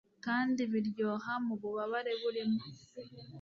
Kandi biryoha mububabare burimo